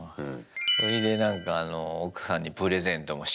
そいでなんか、奥さんにプレゼントもしっかりして。